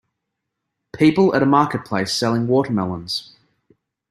People at a marketplace selling watermelons.